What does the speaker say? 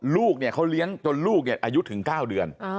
ลูกเนี่ยเขาเลี้ยงจนลูกอายุถึง๙เดือน